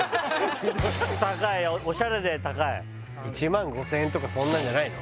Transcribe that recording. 高いよおしゃれで高い１万５０００円とかそんなんじゃないの？